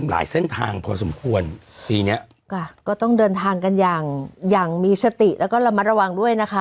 หลายเส้นทางพอสมควรทีเนี้ยค่ะก็ต้องเดินทางกันอย่างอย่างมีสติแล้วก็ระมัดระวังด้วยนะคะ